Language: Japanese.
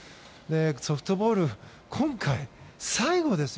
ソフトボール、今回最後ですよ。